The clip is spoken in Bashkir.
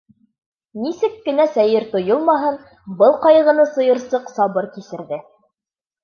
Нисек кенә сәйер тойолмаһын, был ҡайғыны сыйырсыҡ сабыр кисерҙе.